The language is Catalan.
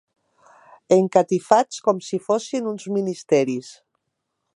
Encatifats com si fossin uns ministeris